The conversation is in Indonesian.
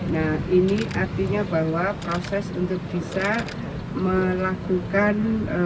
nah ini artinya bahwa proses untuk bisa melakukan